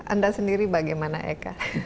anda sendiri bagaimana eka